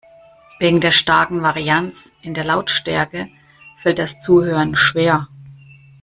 Wegen der starken Varianz in der Lautstärke fällt das Zuhören schwer.